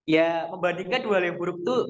ya membandingkan dua hal yang buruk itu